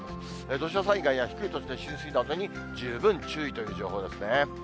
土砂災害や低い土地の浸水にも十分注意という情報ですね。